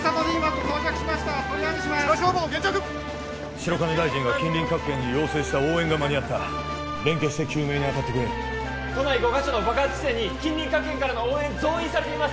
白金大臣が近隣各県に要請した応援が間に合った連携して救命にあたってくれ都内５カ所の爆発地点に近隣各県からの応援増員されています！